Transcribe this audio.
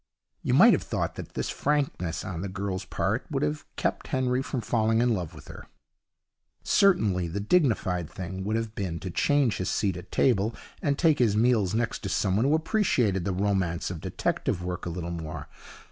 You might have thought that this frankness on the girl's part would have kept Henry from falling in love with her. Certainly the dignified thing would have been to change his seat at table, and take his meals next to someone who appreciated the romance of detective work a little more.